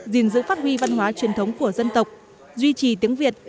gìn giữ phát huy văn hóa truyền thống của dân tộc duy trì tiếng việt